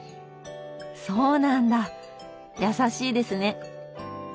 そうなんだ優しいですね。